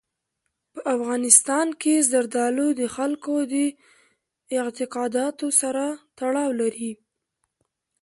په افغانستان کې زردالو د خلکو د اعتقاداتو سره تړاو لري.